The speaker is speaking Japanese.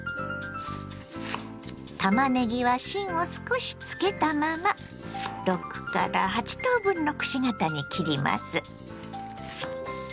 たまねぎは芯を少しつけたまま６８等分のくし形に切ります。